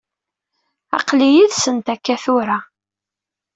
Aql-i yid-sent akka tura.